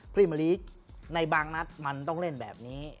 พี่มะลิในบางนัดมันต้องเล่นแบบนี้